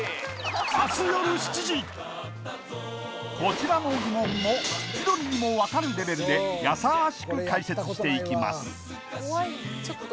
こちらの疑問も千鳥にも分かるレベルでやさしく解説していきます